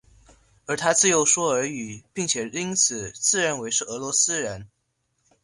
而他自幼说俄语并且因此自认为是俄罗斯人。